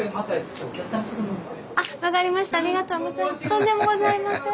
とんでもございません。